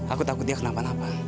aku takut dia kenapa napa